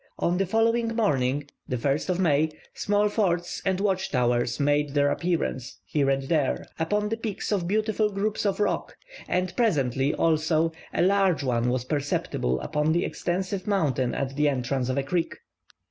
On the following morning (1st of May) small forts and watch towers made their appearance, here and there, upon the peaks of beautiful groups of rock, and presently, also, a large one was perceptible upon an extensive mountain at the entrance of a creek.